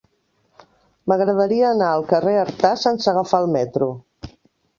M'agradaria anar al carrer d'Artà sense agafar el metro.